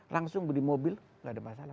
langsung beli mobil tidak ada masalah